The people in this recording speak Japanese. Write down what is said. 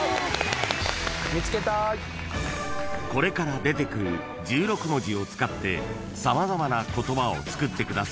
［これから出てくる１６文字を使って様々な言葉を作ってください］